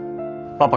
パパ！